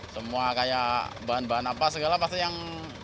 semua kayak bahan bahan apa segala pasti yang